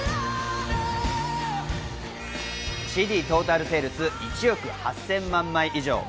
ＣＤトータルセールス１億８０００万枚以上。